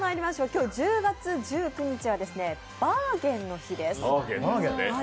今日、１０月１９日はバーゲンの日です。